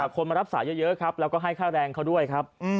คนมารับสายเยอะครับแล้วก็ให้ค่าแรงเขาด้วยครับ